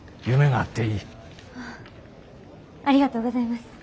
ありがとうございます。